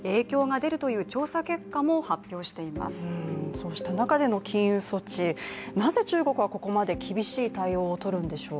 そうした中での禁輸措置、なぜ中国はここまで厳しい対応を取るんでしょう？